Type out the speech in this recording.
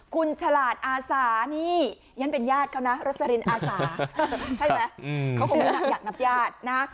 คุณฉลาดอาสานี่ยังเป็นญาติเขานะรสรินอาสา